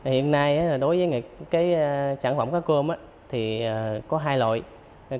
hiện nay đối với cái sản phẩm cá cơm thì có hai loại